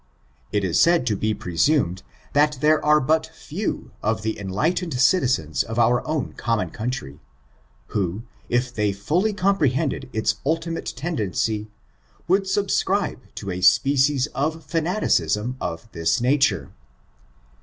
It is to be presumed, that there are but few of the enlightened citizens of our common country, who, if they fully comprehended its ultimate tendency, would subscribe to a species of fimaticism of this nature.